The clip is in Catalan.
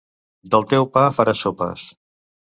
Del teu pa faràs sopes.